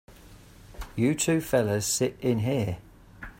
You two fellas sit in here.